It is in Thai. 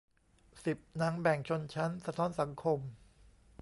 สิบ หนังแบ่งชนชั้น สะท้อนสังคม